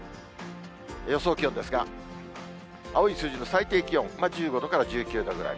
予想気温ですが、青い数字の最低気温、１５度から１９度くらい。